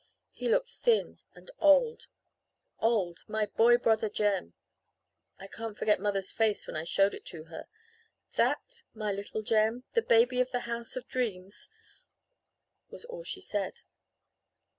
He looked thin and old old my boy brother Jem. I can't forget mother's face when I showed it to her. 'That my little Jem the baby of the old House of Dreams?' was all she said.